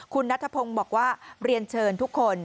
คุณนัทพงศ์บอกว่าเรียนเชิญทุกคน